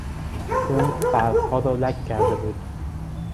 خون برفها را لک کرده بود.